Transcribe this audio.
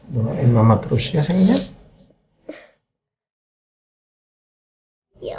doain mama terus ya sayangnya